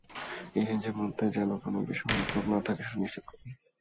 এই রেঞ্জের মধ্যে যেন কোনো বেসামরিক লোক না থাকে সেটা নিশ্চিত করুন।